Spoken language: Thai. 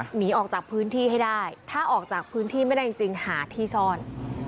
หนีออกจากพื้นที่ให้ได้ถ้าออกจากพื้นที่ไม่ได้จริงหาที่ซ่อน